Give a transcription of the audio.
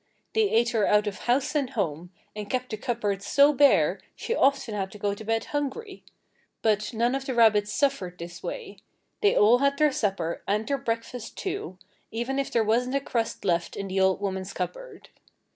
They ate her out of house and home, and kept the cupboard so bare she often had to go to bed hungry. But none of the rabbits suffered this way. They all had their supper, and their breakfast, too, even if there wasn't a crust left in the old woman's cupboard.